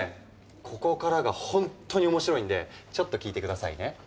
ここからが本当に面白いんでちょっと聞いて下さいね。